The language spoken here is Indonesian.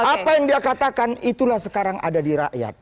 apa yang dia katakan itulah sekarang ada di rakyat